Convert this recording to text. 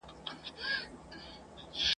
خلک به ئې زیارت ته تللي وي.